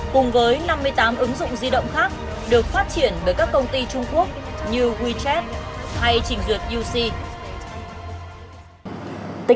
cùng với năm mươi tám ứng dụng di động khác được phát triển bởi các công ty trung quốc như wechat hay trình duyệt uc